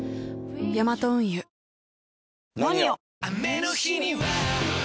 ヤマト運輸「ＮＯＮＩＯ」！